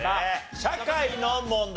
社会の問題。